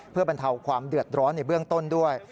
เพื่อบรรเทาความเดือดร้อนในเบื้องต้นด้วย